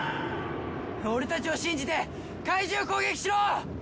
俺たちを信じて怪獣を攻撃しろ！！